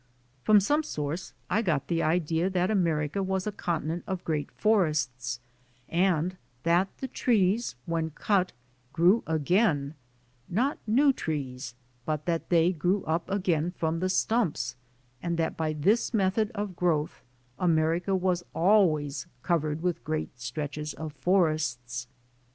From some source I got the idea that America was a continent of great forests, and that the trees when cut grew again, not new trees, but that they grew up again from the stumps, and that by this method of growth America was always covered with great stretches of forests.